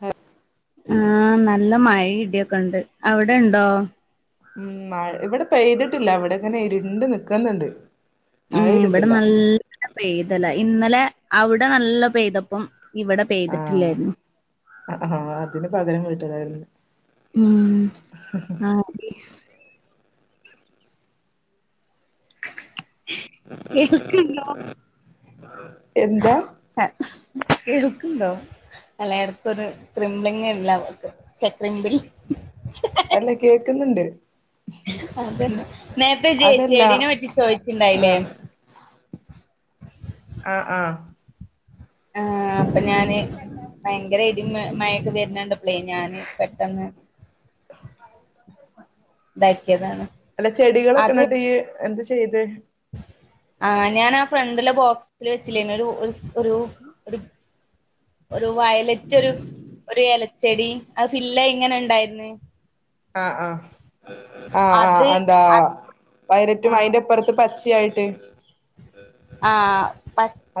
ഹ ആഹ് നല്ല മഴേം ഇടിയൊക്കെ ഉണ്ട് അവിടെ ഉണ്ടോ ഉ മഴ ഇവിടെ പെയ്തിട്ടില്ല ഇവിടെങ്ങനെ ഇരുണ്ട് നിക്കുന്നുണ്ട് മഴ ഇവിടെ പെയ്തിട്ടില്ല നല് നല്ല പെയ്തല്ല ഇന്നലെ അവിടെ നല്ല പെയ്തപ്പം ഇവിടെ പെയ്തിട്ടില്ലായിരുന്നു ആ ആഹ അതിന് പകരം വിട്ടലാരുന്നു ഉം [inaudible] ആഹ് [unintelligible] കേൾക്കാനുണ്ടോ എന്താ കേൾക്കണ്ടോ അല്ലായിടത്തൊരു ക്രിംബ്ലിങ്ങ് ഇല്ല അവക്ക് [unintelligible] അല്ല കേക്കുന്നുണ്ട് അതന്നെ നേരത്തെ ച്ചെ അതല്ല ചെടീനെ പറ്റി ചോദിച്ചിണ്ടായില്ലേ ആഹ് ആഹ് ആഹ് ആഹ് അപ്പൊ ഞാന് ഭയങ്കര ഇടിമ മഴൊക്കെ വരുന്നകണ്ട് പ്പളേ ഞാന് പെട്ടെന്ന് [unintelligible] അല്ല ചെടികളൊക്കെ നട്ടുകഴിഞ്ഞു എന്താചെയ്തേ ആങ്ങനെയാണ് ആ ഫ്രണ്ടില ബോക്സിൽ വെച്ചില്ലേ ഒരു ഒരു ഒരു ഒരു വയലറ്റ് ഒരു ഒരു ഇലച്ചെടി ആ ഇല്ല ഇങ്ങനെ ഉണ്ടായിന്ന് ആഹ് അഹ് ആഹ ആഹ് അത് എന്താ വയലറ്റും ആഹ് അയിന്റെപ്പറത്ത് പച്ചായിട്ട് ആഹ്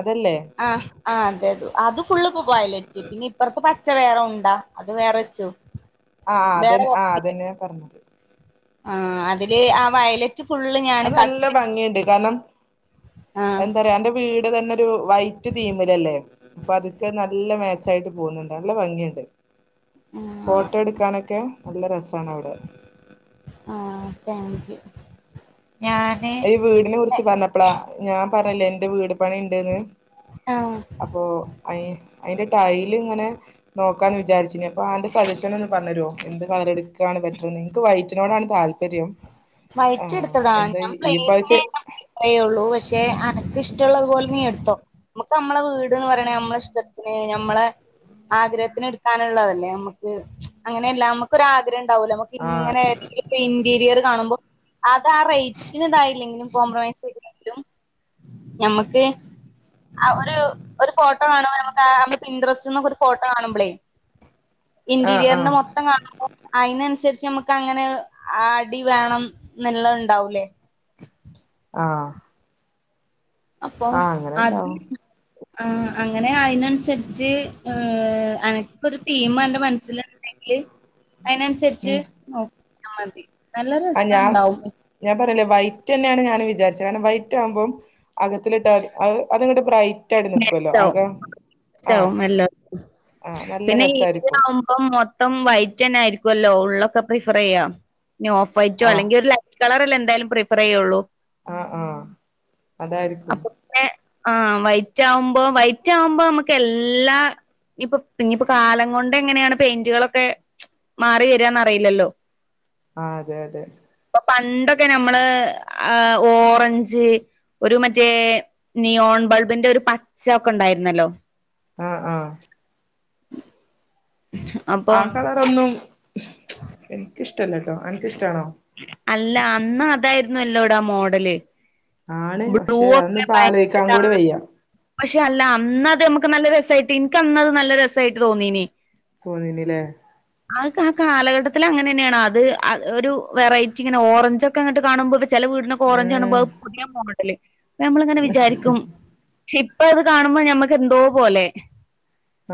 അതല്ലേ ആഹ് അതെ അത അത് ഫുള്ള്പ്പ വയലറ്റ് പിന്നെ ഇപ്പറപ്പ പച്ചവേറ ഉണ്ടാ അത് വേറെ വച്ചു ആഹ് അതന്നെ ആഹ് അതന്നെയാ പറഞ്ഞത് ആഹ് അതില് ആ വയലറ്റ് ഫുള്ള് ഞാന് അത് കട്ട് നല്ല ഭംഗിയുണ്ട് കാരണം ആഹ് എന്താറയാ എന്റെ വീട് തന്നെ ഒരു വൈറ്റ് തീമിലല്ലെ പതുക്കെ നല്ല മാച്ച് ആയിട്ട് പോകുന്നുണ്ട് നല്ല ഭംഗിയുണ്ട് ആഹ് ഫോട്ടോ എടുക്കാനൊക്കെ നല്ല രസാണ് അവിടെ ആഹ് താങ്ക് യു ഞാൻ ഈ വീടിനെ കുറിച്ച് പറഞ്ഞപ്പളാ ഞാൻ പറഞ്ഞില്ലെ എന്റെ വീട് പണി ഇണ്ട്ന്ന് ആഹ് അപോ അ അയിന്റെ ടൈൽ ഇങ്ങനെ നോക്കാന്ന് വിചാരിച്ചീന്നു അപ്പോ അന്റെ സജിക്ഷൻ ഒന്ന് പറഞ്ഞരുവോ എന്ത് കളർ എടുക്കാണ് ബെറ്റർ എനിക്ക് വൈറ്റിനോടാണ് താല്പര്യം വയറ്റ് ആ എടുത്തളാ എന്താ ഞാൻ ഈ പ്ലയിനെ പ്രാവശ്യം പറയുള്ളൂ പക്ഷെ അനക്ക് ഇഷ്ടുള്ളത് പോലെ നീ എടുത്തോ നമ്മുക്ക് നമ്മളെ വീട്ന്ന് പറയണത് നമ്മള ഇഷ്ടത്തിന് ന നമ്മളെ ആഗ്രഹത്തിന് എടുക്കാനുള്ളതല്ലേ നമുക്ക് അങ്ങനെ അല്ല നമ്മ- നമുക്കൊരു ആഗ്രഹം ഉണ്ടാവോലോ നമു ആ ഇങ്ങനെ ഒരു ഇന്റീരിയറ്റ് കാണുമ്പോൾ അത് ആ റേയ്റ്റിന് ഇതായില്ലെങ്കിലും കോംപ്രമൈസ് ചെയ്തില്ലെങ്കിലും ഞമ്മക്ക് ആ ഒരു ഒരു ഫോട്ടോ കാണുമ്പോൾ നമുക്ക് നമ്മള് ഇൻടറസ്റ്റ്ന്നൊക്കെ ഒരു ഫോട്ടോ കാണുമ്പളയ് ആ ആ ഇന്റീരിയറിന്റെ മൊത്തം കാണും അയ്നനുസരിച്ച് നമുക്ക് അങ്ങനെ അടി വേണം എന്നുള്ളത് ഉണ്ടാവൂലെ ആഹ് അപ്പോ അത് ഉണ്ടാവും ഉം അങ്ങനെ അയിനനുസരിച്ച് അനക്ക് ഒരു തീം അന്റെ മനസ്സിൽ ഉണ്ടെങ്കിൽ ൽ അതിനനുസരിച്ച് ഉം നോക്കിയ മതി നല്ല ആ ഞാൻ രസണ്ടാവും ഞാൻ പറഞ്ഞില്ലെ വൈറ്റ് തന്നെയാണ് ഞാൻ വിചാരിച്ചത് കാരണം വൈറ്റ് ആകുമ്പോം അകത്തിലിട്ടാൽ അത് അത്ങ്ങ്ട്ട് ബ്രൈ മെചാവും മെചാവും ആഹ് [unintelligible] നല്ല പിന്നെ രസായിരിക്കും ഇതിലാവു മഇപ്പം മൊത്തം വൈറ്റന്നെ ആയിരിക്കുവല്ലോ ഉള്ളൊക്കെ പ്രിഫർ ചെയ്യ ഇനി ഓഫ് വൈറ്റോ ആഹ് അല്ലെങ്കി ഒരു ലൈ റ്റ് കളറല്ലെ എന്തായാലും പ്രിഫറെയ്യുള്ളൂ ആഹ് ആഹ് അതായിരിക്കും അപ്പോ പിന്നെ ആഹ് വൈറ്റാവുമ്പോ വൈറ്റാവുമ്പോ നമുക്ക് എല്ലാ ഇപ്പോ ഇന്നിപ്പോ കാലം കൊണ്ട് എങ്ങനെയാണ് പെയിന്റുകളൊക്കെ മാറി വരാന്ന് അറിയില്ലല്ലോ ആഹ് അതെ അതെ ഇപ്പോ പണ്ടൊക്കെ നമ്മള് ആഹ് ഓറഞ്ച് ഒരു മറ്റേ നിയോൺ ബൾബിന്റെ ഒരു പച്ച ഒക്കെ ഒണ്ടായിരുന്നല്ലോ ആഹ് ആഹ് [inaudible] ആ കളറൊന്നും എനിക്കിഷ്ടല്ലട്ടോ അനക്കിഷ്ട്ടാണോ അല്ല അന്ന് അതായിരുന്നു അല്ലോട മോഡല് ആണ് ബ്ലൂ പക്ഷെ അതൊന്നും ഒക്കെ ഇപ്പ ഭയങ്കര ആലോയിക്കാൻ കൂടി വയ്യ ഡാർക്ക് പക്ഷെ അല്ല അന്നത് നമുക്ക് നല്ല രസായിട്ട് എനിക്ക് അന്നത് നല്ല രസായിട്ട് തോന്നീനി തോന്നീനില്ലെ അതൊക്കെ ആ കാലഘട്ടത്തിലങ്ങനന്നെയാണ് അത് ഒരു വെറൈറ്റി ഇങ്ങനെ ഓറഞ്ച് ഒക്കെ അങ്ങട്ട് കാണുമ്പോ ഇത് ചെല വീടിനൊക്കെ ഓറഞ്ച് കാണുമ്പോ ഉം അത് പുതിയ മോഡല് നമ്മളിങ്ങനെ വിചാരിക്കും പക്ഷെ ഇപ്പ അത് കാണുമ്പോ ഞമ്മക്ക് എന്തോ പോലെ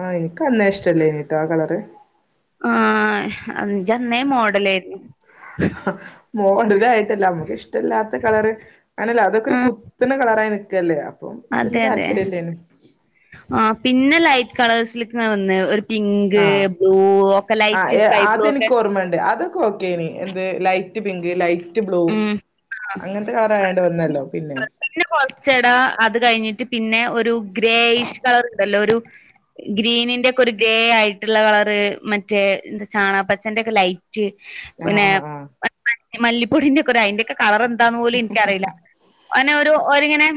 ആഹ് എനിക്ക് അന്നേ ഇഷ്ട്ടല്ലെയ്ന്ട്ടോ ആ കളറ് ആഹ് ഇജ് അന്നേ മോഡലായിരുന്നു മോഡലായിട്ടല്ല നമുക്ക് ഇഷ്ട്ടല്ലാത്ത കളറ് അങ്ങനെ അല്ല അതൊക്കെ ഒരു കുത്തുന്ന കളറായി നിക്കല്ലെ അപ്പോ അതെ വലിയ അതെ താല്പര്യം ഇല്ലേന്നു ആഹ് പിന്നെ ലൈറ്റ് കളേഴ്സ് നിന്നാ വന്നത് ഒര് [unintelligible] പിങ്ക് ആഹ് ബ്ലൂ ഒക്കെ ആഹ് ലൈറ്റ് ഏ സ്കൈ ബ്ലൂ ഒക്കെ അതെനിക്ക് ഓർമ്മയുണ്ട് അതൊക്കെ ഓർ [unintelligible] എന്ത് ലൈറ്റ് പിങ്ക് ലൈറ്റ് ബ്ലൂ ഉം ആഹ് അങ്ങൻത്തെ കളറായോണ്ട് വന്നല്ലോ പിന്നെ പിന്നെ കൊറച്ചെടാ അത് കഴിഞ്ഞിട്ട് പിന്നെ ഒരു ഗ്രേയിഷ് കളർ ഉണ്ടല്ലോ ഒരു ഗ്രീനിന്റൊക്കെ ഒരു ഗ്രേ ആയിട്ടുള്ള കളറ് മറ്റേ ന്ത് ചാണപ്പച്ചന്റൊക്കെ ലൈ റ്റ് ആഹ് പിന്നെ ആഹ് ആഹ് മ മല്ലിപ്പൊടിന്റൊക്കൊരു അയിന്റെയൊക്കെ കളറെന്താന്ന് പോലും ഇൻക്കറീല പിന്നെ ഒരു ഒരിങ്ങനെ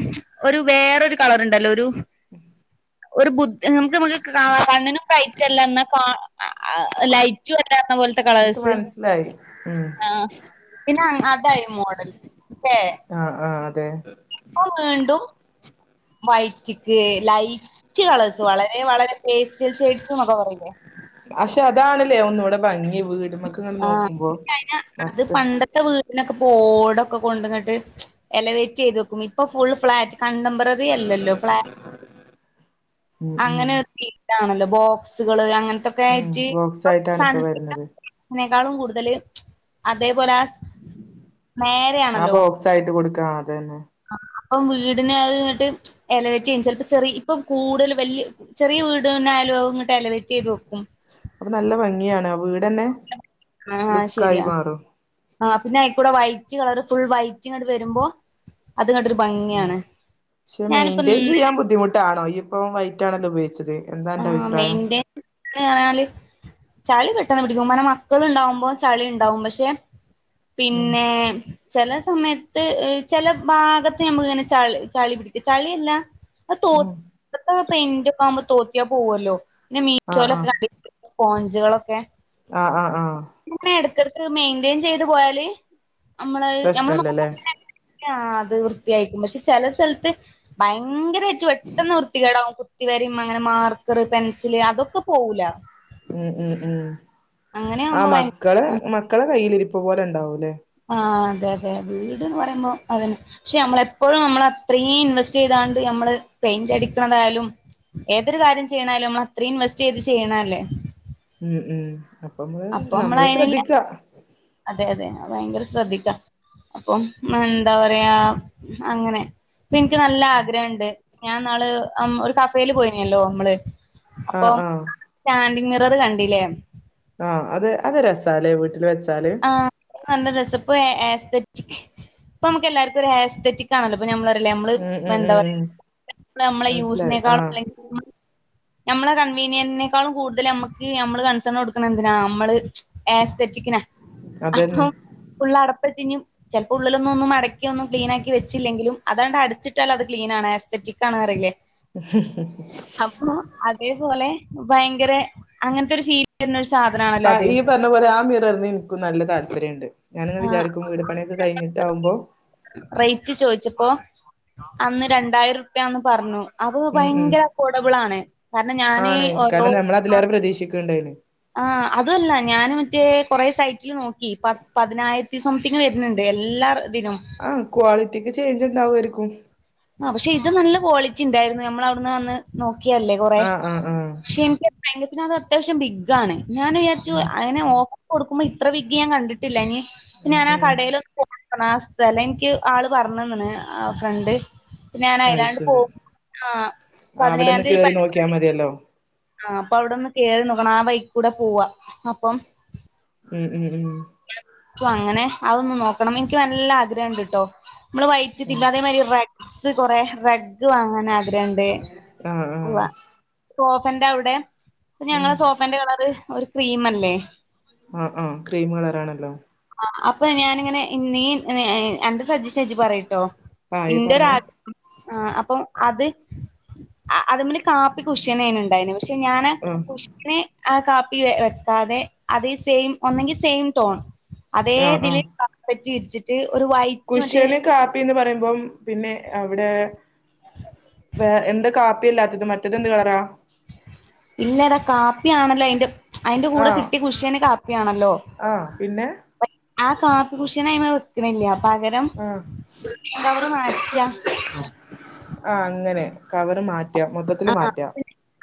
ഒരു വേറോരു കളറിണ്ടല്ലോ ഒരു ഉം ഒരു ബുദ്ധ് ഏഹ് നമുക്ക് മുക്ക് കാ കണ്ണിനും ബ്രൈറ്റല്ല ന്നാ കാ ലൈറ്റും അല്ല എന്ന പോലത്തെ കളേഴ്സ് മനസ്‌ലായി ആഹ് പിന്നെ അങ്ങ് അതായി മോഡൽ ഇല്ലേ ആഹ് ആഹ് അതെ [unintelligible] വൈറ്റ്ക്ക് ലൈറ്റ് കളേഴ്സ് വളരെ വളരെ പേസ്റ്റൽ ഷെയ്ഡ്സ്ന്നൊക്കെ പറയില്ലേ പക്ഷെ അതാണ്ലേ ഒന്നൂടെ ഭംഗി വീടുമ്മക്ക്ങ്ങ് ന്ന് നോക്കുമ്പോ മറ്റ ന്റെ വീടിനൊക്കെ ഇപ്പൊഓടൊക്കെ കൊണ്ടന്നിട്ട് എലവേറ്റെയ്ത് വെക്കും ഇപ്പൊ ഫുൾ ഫ്ളാറ്റ് [unintelligible] റി അല്ലല്ലോ ഫ്ലാറ്റ് ഉം ഉം അങ്ങനെ [unintelligible] താണല്ലോ ബോക്സുകള് ഉം അങ്ങൻത്തൊകായിറ്റ് ബോക്സ് ഇപ്പൊ ആയിട്ടാണ് സൺസ് വരുന്നത് അതിനേക്കാളും കൂടുതല് അതേപോലെ ആസ് മേ ആ ബോക്സായിട്ട് കൊടുക്കാം അത് തന്നെ ആഹ് അപ്പം വീടിന് അഹ് ഇങ്ങട്ട് എലവറ്റയ്യും ചൽപ്പോ ചെറി ഇപ്പം കൂടുതൽ വല്യയ ചെറിയ വീട്ന്ന ആയാലുംങ്ങട്ട് അലവേറ്റ് ചെയ്ത് വക്കും അപ്പൊ നല്ല ഭംഗിയാണ് ആ വീടന്നെ ലുക്കായി ശരിയാ മാറും ആഹ് പിന്നെ അയ്കൂടെ വൈറ്റ് കളർ ഫുൾ വൈറ്റ് ഇങ്ങട്ട് വരുമ്പോ അത്ങ്ങട്ടൊര് ഭംഗ് ഉം ക്ഷെ മെയിന്റെയിൻ ചെയ്യാൻ ബുദ്ധിമുട്ടാണോ ഈ ഇപ്പൊ വൈറ്റാണല്ലോ ഉപയോഗിച്ചത് എന്താ അന്റെ ആഹ് അഭിപ്രായം മെയിന്റയിൻ ന്നായാല് ചളി പെട്ടെന്ന് പിടിക്കും മന മക്കള്ണ്ടാവുമ്പോ ചളി ഉണ്ടാവും പക്ഷെ ഉം പിന്നേ ചെല സമയത്ത് ചെല ഭാഗത്ത് ഞമ്മക്ക് ഇങ്ങനെ ചളി ചളിപിടിക ചളിയല്ല ആ തോ ഉം [inaudible] പെന്റെ ഒക്കെ ആവുമ്പോ തോത്തിയാ പോവോല്ലോ പിന്നെ ആഹ് മീശോലൊക്കെ ആഹ് കണ്ടി സ്പോഞ്ചുളൊക്കെ ആഹ് ആഹ് ആഹ് പിന്നെ എടക്ടക്ക് മെയിന്റ്റയിൻ ചെയ്ത് പോയാല് അമ്മളഹ് നമ്മള് നോക്ക പ്രശ്നല്ലല്ലേ [inaudible] ങ്യാ അത് വൃത്തിയായിക്കും പക്ഷെ ചെല സൽത്ത് ഭയങ്കരറ്റ് പെട്ടെന്ന് വൃത്തികേടാവും കുത് തിവരിം അങ്ങനെ മാർക്കർ പെൻസില് അതൊക്കെ പോവൂല ഉം ഉം ഉം അങ്ങനെ ആഹ് ആവുമ്പോ ഭയ മക്കളെ മക്കളെ കയ്യിലിരിപ്പ്പ്പോലെ ഉണ്ടാവൂല്ലേ ആഹ് അതെ അതെ വീട്ന്ന് പറയുമ്പോ അതന്നെ പക്ഷെ അമ്മളെപ്പോഴും നമ്മൾ അത്രീം ഇൻവെസ്റ്റ്യ്താണ്ട് ഞമ്മള് പെയിന്റ് അടിക്കണതായാലും ഏതൊരു കാര്യം ചെയ്യണാലും നമ്മ അത്രയും ഇൻവെസ്റ്റ് ചെയ്ത് ചെയ്യണ അല്ലേ ഉം ഉം അപ്പമ്മള് അപ്പൊ നമ്മൾ നമ്മള് അതിനുള്ള ശ്രദ്ധിക്കാ അതെ അതെ ഭയങ്കര ശ്രദ്ധിക്കാ അപ്പം മ്മ് എന്താ പറയാ അങ്ങനെ ഇപ്പൻക്ക് നല്ല ആഗ്രഅണ്ട് ഞാൻന്നാള് അം ഒരു കഫെല് പോയിനല്ലോ മ്മള് അപ്പൊ ആഹ് ആഹ് സ്റ്റാൻഡിങ് മിറർ കണ്ടില്ലേ ആഹ് അത് അത് രസ്സാലെ വീട്ടിൽ വച് ആഹ് നല്ല രസഇപ്പൊ ആഹ് ആഹ്സ്തെറ്റിക്ക് ഇപ്പംമുക്ക് എല്ലാർക്കും ഒര് ആഹസ്തെറ്റിക്ക് കാ ണല്ലോ ഇപ്പ നമ്മളറില്ലേ നമ്മള് ഉം ഉം എന്താ ഉം ഉം പറയാ നമ്മെളെ മനസ്സിലായി യൂസിനെക്കാളും ആഹ് അല്ലെങ്കി [inaudible] ഞമ്മളെ കൺവീനിയൻനെക്കാളും കൂടുതൽ അമ്മക്ക് അമ്മള് കൺസേൺ കൊടുക്കണെന്തിനാ അമ്മള് ആസ്തറ്റിക്കിനാ അതന്നെ അപ്പോം ഉള്ള അടപ്പചിഞ്ഞും ചെൽപ്പോ ഉള്ളിലൊന്നുംന്നും മടക്കിയൊന്നും ക്ലീനാക്കി വെച്ചില്ലെങ്കിലും അതാണ്ട് അടിച്ചിട്ടാൽ അത് ക്ലീനണെഅ സ് തെറ്റി കാണാറല്ലേ അപ്പൊ അതേപോലെ ഭയങ്കര അങ്ങനത്തെ ഒരു രീതി തരുന്ന ഒരു സാധനമാണല്ലോ അത് പറ പോലെ ആ മീറന്ന് എനിക്ക നല്ല താല്പര്യംണ്ട് ഞാനിങ് ആഹ് വിചാരിക്കും വീട് പണിക്കെ കഴിഞ്ഞിട്ടാകുമോ റേറ്റ് ചോദിച്ചപ്പോ അന്ന് രണ്ടായിരം റൂപ്യന്ന് പറഞ്ഞു അവു ഉം ഉം ഭയങ്കര അഫോർഡബിൾ ആണ് കാരണം ഞാന് ആണ് ഓലോ കാരണം നമ്മൾ ആഹ് ആഹ് അതിലേറെ പ്രതീക്ഷിക്ക്ണ്ടായിന് ആ അതല്ല ഞൻ മറ്റേ കുറെ സൈറ്റില് നോക്കിപ്പ പതിനായിരത്തി സംതിങ്ങ് വരുന്നുണ്ട് എല്ലാ ഇതിനും ആഹ് ക്വാളിറ്റിക്ക് ചേഞ്ച് ഉണ്ടാമായിരിക്കും ആ പക്ഷെ ഇത് നല്ല ക്വാളിറ്റി ഉണ്ടായിരുന്നു നമ്മള അവിടുന്ന് വന്ന് നോക്കിയല്ലേ കൊറ ആ ആ ആ പക്ഷെ എനിക്ക് യങ്ക പിന്നെ അത് അത്യാവശം ബിഗ ആണ് ഞാൻ വിചാരിച്ചു ഉം അതിനെ ഓ കൊടുക്കുമ്പോ ഇത്ര വിഗി ഞാൻ കണ്ടിട്ടില്ല ഇനി ഉം ഞാന ആ ഉം കടയിലോ [unintelligible] എനിക്ക് ആള് പറഞ്ഞന്ന ഫ്രണ്ട് ഞാൻ അത് അയലാണ്ട് ശരി പോക ആഹ് ആ അവിടെന്ന് പതിനയാന്തികൂ ഒരു കേറി നോക്കിയാ പരിപാടിക്ക് മതിയല്ലോ ആ അപ്പൊ അവിടൊന്ന് കേയറി നോക്കണം ആവൈക്ക് കൂടെ പോവാ അപ്പം ഉം ഉം ഉം അങ്ങനെ അതൊന്നന്ന് നോക്കണം എനിക്ക് നല്ല ആഗ്രഹം ഉണ്ട് കേട്ടോ നമ്മള് വൈ ഉം അതേമാതിരി റഗ്സ് കുറേ റഗ് വാങ്ങാൻ ആഗ്രഹമുണ്ട് ആഹ് അവാ സോഫന്റെ അവിടെ ഞങ്ങള ഉം സോഫന്റെ കളറ് ഒരു ക്രീം അല്ലേ ആഹ് ആഹ് ക്രീം കളറ ആണല്ലോ ആഹ് അപ്പൊ ഞാാനിങ്ങനെ നീ സജിഷൻ ജി പറയട്ടോ ആ ഇയ്യ് ഇന്റെ പറഞ്ഞോ ഒരാഗ്രഹം ആ അപ്പൊ അത് ആ അത മെ കാപ്പി കുഷശനേന ഉണ്ടായിന് പക്ഷെ ഞാന് ആ കുഷ് നെ ആ കാപ്പി വെക്കാതെ അത് സെയിം ഒന്നെങ്കിൽ സെയിം ടോൺ അതേ ഇതില പറ്റി ഇരിച്ചിട്ട് ഒരു വൈറ്റ് മറ്റേ കുശന് കാപ്പിന്ന് പറയുമ്പം പിന്നെ അവിടെ വേ എന്താ കാപ്പില്ലാത്തത് മറ്റേത് എന്ത് കളറ ഇല്ലടാ കാപ്പി ആണല്ലോ അയിന്റെ അയിന്റെ കൂടെ ആഹ് കിട്ടി കുഷ്യനെ കാപ്പിയാണല്ലോ ആഹ് പിന്നെ ആ കാപ്പി കുഷനയിമ വെക്കണില്ല പകരം ആഹ് കവറ് മാറ്റ ആഹ് അങ്ങനെ കവറ് മാറ്റ മൊത്തത്തില് ആഹ് മാറ്റാം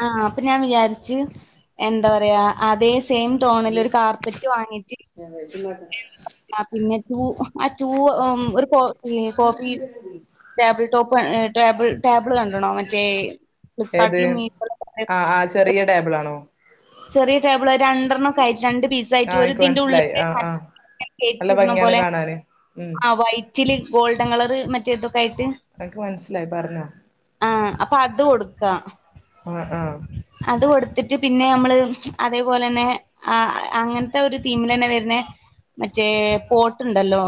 ആഹ് അപ്പൊ ഞാൻ വിചാരിച്ച് എന്താ പറയാ അതേ സെയിം ടോണിൽ ഒരു കാർപ്പറ്റ് വാങ്ങിട്ട് പിന്നെ റ്റു ആ റ്റൂവ് ഒരു കോ coffee table top table table കണ്ടണോ മറ്റേ ഏത് ഫ്ലിപ്കാർട്ടിലും മീഷോയിലൊക്കെ ആഹ് ആഹ് ചെറിയ ടേബിൾ ആണോ ചെറിയ ടേബിൾ ഒരു രണ്ടെണ്ണംക്കെ ആയിട്ട് രണ്ട് പീസ ആയിട്ട് ആഹ് ഒരു എനിക്ക് ഇതിന്റെ മനസ്സിലായി ഉള്ളിലക്ക് ആഹ് മറ്റ ആഹ് നല്ല ഭംഗിയാണ് കാണാന് ഉം ആ വൈറ്റില് ഗോൾഡൻ കളറ് മറ്റേതൊക്കെ ആയിട്ട് എനിക്ക് മനസ്സിലായി പറഞ്ഞോ ആഹ് അപ്പൊ അത് കൊടുക്കാം ആഹ് ആഹ് അത് കൊടുത്തിട്ട് പിന്നെ നമ്മള് അതേപോലെ തന്നെ ആ അങ്ങനത്തെ ഒരു തീമിൽ തന്നെ വരുന്നെ മറ്റേ പോട്ട്ണ്ടല്ലോ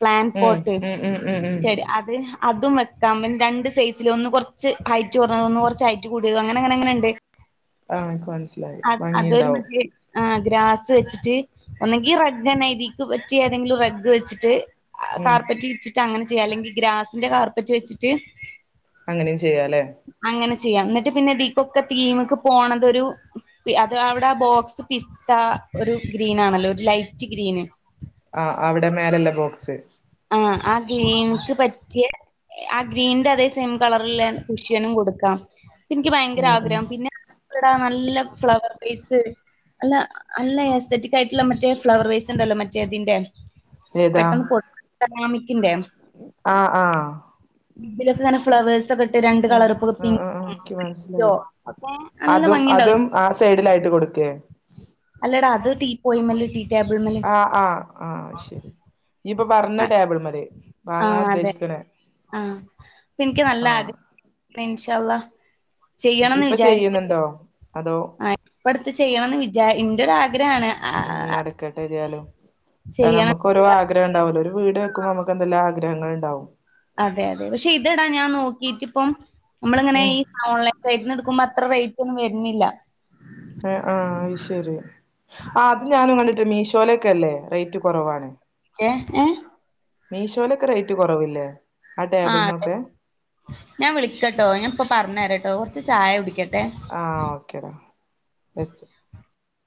പ്ലാൻ ഉം പോട്ട് ഉം ഉം ഉം ഉം ചെടി അത് അതും വെക്കാം പിന്നെ രണ്ട് സൈസില് ഒന്ന്. കുറച്ച് ഹൈറ്റ് കുറഞ്ഞത് ഒന്ന് കുറച്ച് ഹൈറ്റ് കൂടിയത് അങ്ങനെ അങ്ങനെ അങ്ങനെയുണ്ട് ആഹ് എനിക്ക് മനസ്സിലായി ഭംഗിയുണ്ടാവും ആഹ് ഗ്രാസ് വെച്ചിട്ട് ഒന്നെങ്കി റഗ്ഗ നൈതിക്ക് പറ്റി ഏതെങ്കിലും റഗ് വെച്ചിട്ട് ഉം കാർപ്പറ്റ് വിരിച്ചിട്ട് അങ്ങനെ ചെയ്യാം അല്ലെങ്കി ഗ്രാസിന്റെ കാർപ്പറ്റ് വെച്ചിട്ട് അങ്ങനിം ചെയ്യാലെ അങ്ങനെ ചെയ്യാം ഇന്നിട്ട് പിന്നെ ഇതിക്കൊക്കെ തീമക്ക് പോകണതൊരു പി അത് അവിട ആ ബോക്സ് പിസ്താ ഒരു ഗ്രീനണല്ലോ ഒരു ലൈറ്റ് ഗ്രീന് ആഹ്‌ അവിടെ മേലല്ലേ ബോക്സ് ആഹ് ആ ഗ്രീൻക്ക് പറ്റ്യെ ആഹ്‌ ഗ്രീൻന്റെതേ സെയിം കളറില്ലെ കുഷിയനും കൊടുക്കാം ഇൻക്ക് ഭയങ്കര ഉം ഉം ആഗ്രഹം പിന്നെ ടാ നല്ല ഫ്ലവർ ഫേസ് അല്ല അല്ല ഏസ്തറ്റിക് ആയിട്ടിള്ള മറ്റേ ഫ്ലവർ വേസ് ഇണ്ടല്ലോ മറ്റേ അതിന്റെ ഏതാ ടെക്നൊമിക്കിന്റെ ആഹ്‌ ആഹ്‌ ഇതിലൊക്കെ ഇങ്ങനെ ഫ്ലവേഴ്സൊക്കെ ഹ്മ്മ് ആഹ്‌ ആഹ്‌ ആഹ് ഇൻക്ക് മനസ്സിലായി ഒക്കെ നല്ല അതും ഭംഗിണ്ടാവും അതും ആ‌ സെയ്ഡിലായിട്ട് കൊട് ക്കേ അല്ലടാ അത് ടീ പോയിമല് ടീ ടേബിൾമ്മല് ആഹ് ആഹ് ആഹ്‌ ശെരി ഇയ്യ്പ്പം പറഞ്ഞ ആ ടേബിൾമല് ആ വാങ്ങാൻ അതെ ഉദ്ദേശിക്ക്ണേ, ആഹ്‌ ഇന്നാ ഇൻശാഅല്ലാഹ് ഇപ്പം ചെയ്യ്ന്ണ്ടോ അതോ ആഹ്‌ ഇപ്പട്ത്ത് ചെയ്യണംന്ന് വിചാ ഇന്റൊരാഗ്രഹാണ് ഹ്മ്മ് നടക്കട്ടെ എതിയാലും, ആഹ്‌ ചെയ്യണം നമ്മുക്കൊരു ആ ഗ്രഹണ്ടാവല്ലോ ഒര് വീട് വെക്കുമ്പോ നമുക്കെന്തല്ലാം ആഗ്രഹള് ഇണ്ടാവും അതെ അതെ, പക്ഷെ ഇതെടാ ഞാൻ നോക്കിറ്റ്പ്പം നമ്മളിങ്ങനെ ഉം ഈ ആഹ് ഓൺലൈൻ സൈറ്റ്ന്ന് ഇടക്കുമ്പോ അത്ര റൈറ്റൊന്നും വര്ന്നില്ല ഏഹ് ആഹ്‌ അത് ശെരി ആഹ്‌ അത് ഞാനും കണ്ട് ട്ട്ണ്ട് മീശോലൊക്കല്ലേ റൈറ്റ് കൊറവാണ് ഏഹ്‌ ഏഹ് മീശോലൊക്കെ റൈറ്റ് കൊറവില്ലേ ആഹ്‌ ആ അതെ ടേബിൾനൊക്കെ ഞാൻ വിളിക്കട്ടോ ഞാൻ ഇപ്പം പറഞ്ഞരട്ടോ കൊറച്ച് ചായ കുടിക്കട്ടെ ആഹ്‌ ഓക്കെടാ വെച്ച്